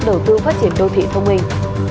đầu tư phát triển đô thị thông minh